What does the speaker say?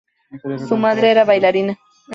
Su madre era bailarina.